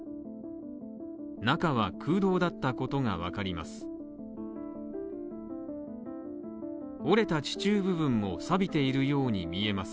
中は空洞だったことがわかります。